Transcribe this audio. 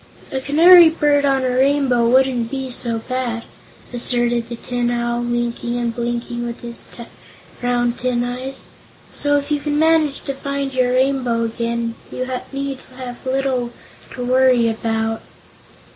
"A Canary Bird on a Rainbow wouldn't be so bad," asserted the Tin Owl, winking and blinking with his round tin eyes, "so if you can manage to find your Rainbow again you need have little to worry about."